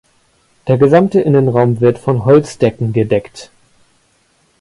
Der gesamte Innenraum wird von Holzdecken gedeckt.